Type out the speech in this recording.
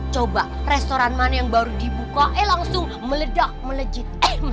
coba restoran mana yang baru dibuka eh langsung meledak melejit